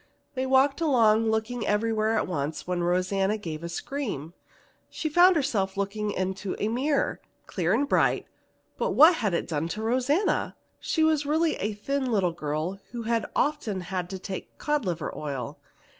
They walked along looking everywhere at once when Rosanna gave a scream. She found herself looking into a mirror, clear and bright; but what had it done to Rosanna? She was really a thin little girl who had often had to take cod liver oil.